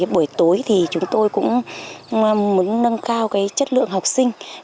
buổi tối thì chúng tôi cũng muốn nâng cao chất lượng học sinh